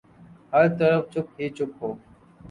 ہر طرف چپ ہی چپ ہو۔